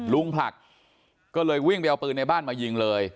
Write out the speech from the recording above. ลุงผลักก็เลยวิ่งไปเอาปืนในบ้านมายิงเลย